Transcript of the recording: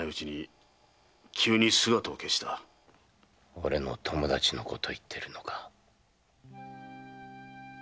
俺の友達のことを言ってるのか？